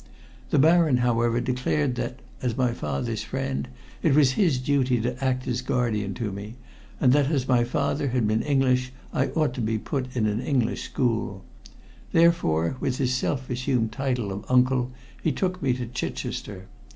The Baron, however, declared that, as my father's friend, it was his duty to act as guardian to me, and that as my father had been English I ought to be put to an English school. Therefore, with his self assumed title of uncle, he took me to Chichester.